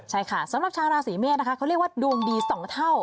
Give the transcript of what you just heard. ใช่ค่ะสำหรับชาวราศีเมษนะคะเขาเรียกว่าดวงดี๒เท่า